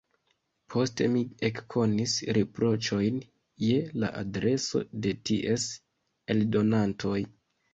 Poste mi ekkonis riproĉojn je la adreso de ties eldonantoj.